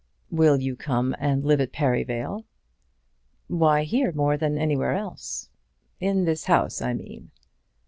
"Will you come and live at Perivale?" "Why here more than anywhere else?" "In this house I mean."